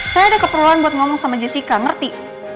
saya ada keperluan buat ngomong sama jessica ngerti